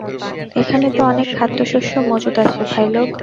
এখানে তো অনেক খাদ্যশস্য মজুদ আছে, ভাইলোগ।